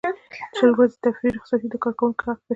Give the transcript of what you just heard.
شل ورځې تفریحي رخصتۍ د کارکوونکي حق دی.